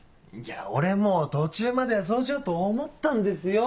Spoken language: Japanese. いや俺も途中まではそうしようと思ったんですよ。